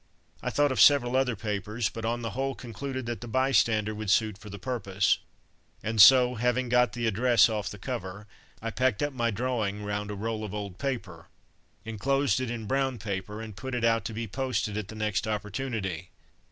I thought of several other papers, but on the whole concluded that the Bystander would suit for the purpose, and so, having got the address off the cover, I packed up my drawing round a roll of old paper, enclosed it in brown paper, and put it out to be posted at the next opportunity.